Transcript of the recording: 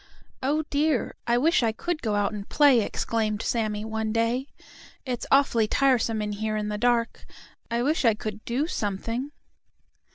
"Oh, dear, I wish I could go out and play!" exclaimed Sammie one day. "It's awfully tiresome in here in the dark. I wish I could do something."